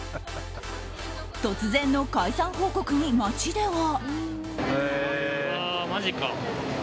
突然の解散報告に街では。